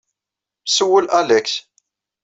Sewwel Alex.